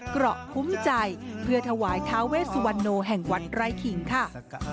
เกราะคุ้มใจเพื่อถวายท้าเวสวรรณโนแห่งวัดไร่ขิงค่ะ